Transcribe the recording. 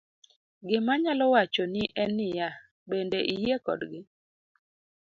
gima anyalo wacho ni en ni ya, bende iyie kodgi?'